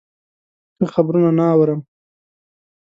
ښه خبرونه نه اورم.